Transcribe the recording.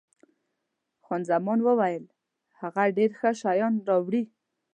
خان زمان وویل، هغه ډېر ښه شیان راوړي.